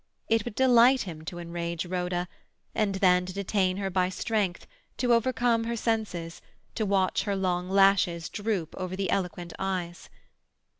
It would delight him to enrage Rhoda, and then to detain her by strength, to overcome her senses, to watch her long lashes droop over the eloquent eyes.